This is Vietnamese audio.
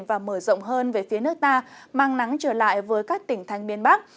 và mở rộng hơn về phía nước ta mang nắng trở lại với các tỉnh thành miền bắc